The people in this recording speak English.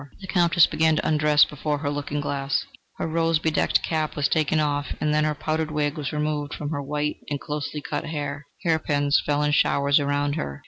The Countess began to undress before her looking glass. Her rose bedecked cap was taken off, and then her powdered wig was removed from off her white and closely cut hair. Hairpins fell in showers around her.